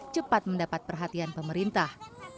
cepat mendapat perhatian pemerintah